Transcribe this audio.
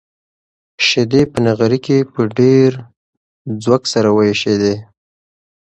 شيدې په نغري کې په ډېر زوږ سره وایشېدې.